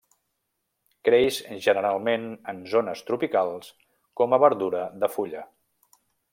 Creix generalment en zones tropicals com a verdura de fulla.